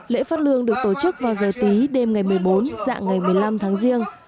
lễ phát lương được tổ chức vào giờ tí đêm ngày một mươi bốn dạng ngày một mươi năm tháng riêng